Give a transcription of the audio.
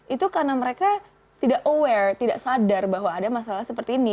itu karena mereka tidak aware tidak sadar bahwa ada masalah seperti ini